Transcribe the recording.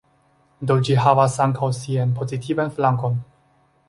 Do ĝi havas ankaŭ sian pozitivan flankon.